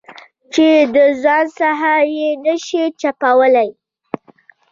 چې د ځان څخه یې نه شې چپولای.